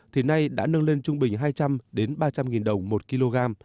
thì nay đã nâng lên trung bình hai trăm linh ba trăm linh đồng một kg